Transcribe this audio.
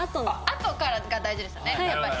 あとからが大事ですよねやっぱり。